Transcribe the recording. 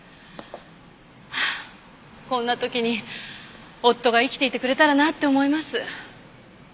こんな時に夫が生きていてくれたらなって思います。